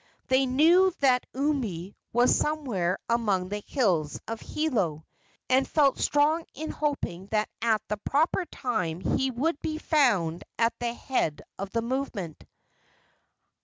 They knew that Umi was somewhere among the hills of Hilo, and felt strong in hoping that at the proper time he would be found at the head of the movement.